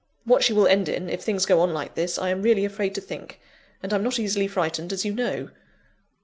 What she will end in, if things go on like this, I am really afraid to think; and I'm not easily frightened, as you know.